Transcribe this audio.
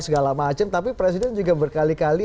segala macam tapi presiden juga berkali kali